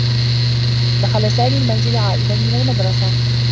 دخل سامي المنزل عائدا من المدرسة.